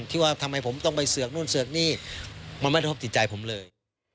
ที่ว่าทำไมผมต้องไปเสือกนู่นเสือกนี่มันไม่กระทบจิตใจผมเลย